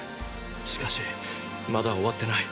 しかしまだ終わってない。